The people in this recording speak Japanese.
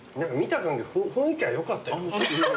雰囲気はよかったよ。